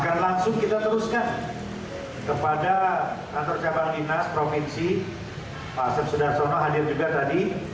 akan langsung kita teruskan kepada kantor cabang dinas provinsi pak asep sudarsono hadir juga tadi